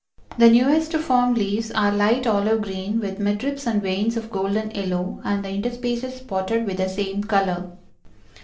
The newest formed leaves are light olive green with mid ribs and veins of golden yellow, and the interspaces spotted with the same color.